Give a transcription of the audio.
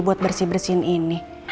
buat bersih bersihin ini